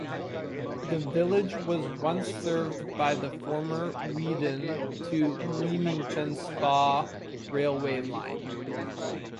The village was once served by the former Weedon to Leamington Spa railway line.